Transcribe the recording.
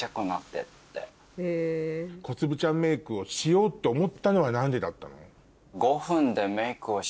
小粒ちゃんメイクをしようって思ったのは何でだったの？